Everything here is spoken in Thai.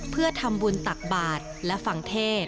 เพื่อทำบุญตักบาทและฟังเทศ